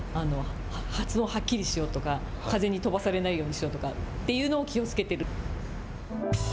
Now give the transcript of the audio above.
発音をはっきりしようとか風に飛ばされないようにしようというのを気をつけてる。